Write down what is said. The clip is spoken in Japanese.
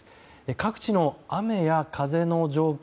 各地の雨や風の状況